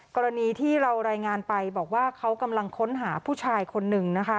กรณีที่เรารายงานไปบอกว่าเขากำลังค้นหาผู้ชายคนหนึ่งนะคะ